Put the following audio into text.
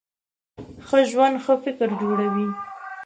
ښه ژوند ښه فکر جوړوي.